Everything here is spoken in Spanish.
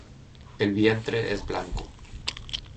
El vientre es blanco.